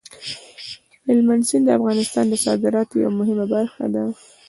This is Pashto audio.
هلمند سیند د افغانستان د صادراتو یوه مهمه برخه ده.